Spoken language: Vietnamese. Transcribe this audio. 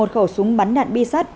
một khẩu súng bắn đạn bi sắt